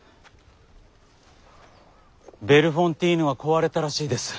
ベルフォンティーヌが壊れたらしいです。